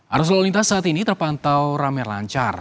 arus lalu lintas saat ini terpantau rame lancar